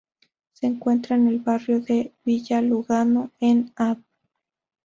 Se encuentra en el barrio de Villa Lugano, en Av.